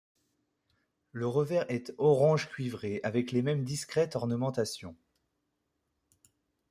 Le revers est orange cuivré avec les mêmes discrètes ornementations.